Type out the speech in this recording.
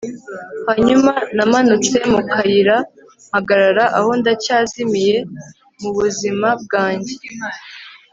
hanyuma, namanutse mu kayira, mpagarara aho ndacyazimiye mu buzima bwanjye